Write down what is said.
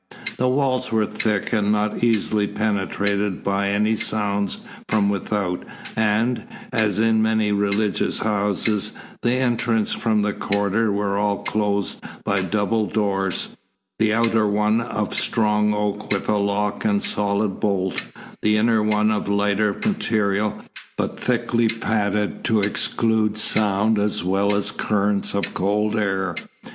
The walls were thick and not easily penetrated by any sounds from without, and, as in many religious houses, the entrances from the corridor were all closed by double doors, the outer one of strong oak with a lock and a solid bolt, the inner one of lighter material, but thickly padded to exclude sound as well as currents of cold air.